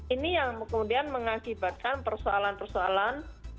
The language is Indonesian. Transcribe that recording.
ini yang kemudian mengakibatkan persoalan persoalan